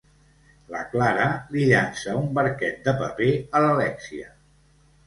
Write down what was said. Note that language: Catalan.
La Clara li llança un barquet de paper a l'Alèxia.